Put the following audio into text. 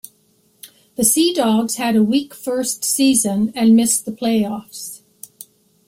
The Sea Dogs had a weak first season and missed the playoffs.